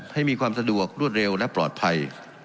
ให้มีความสะดวกรวดเร็วและปลอดภัย